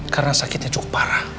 karena sakitnya cukup parah